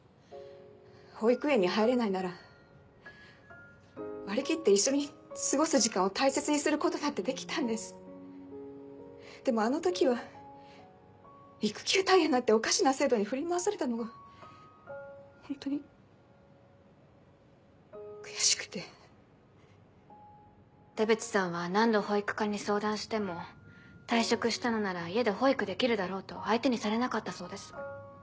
保育園に入れないなら割り切って一緒に過ごす時間を大切にすることだってできたんですでもあの時は育休退園なんておかしな制度に振り回されたのがホントに悔しくて出渕さんは何度保育課に相談しても退職したのなら家で保育できるだろうと相手にされなかったそうです。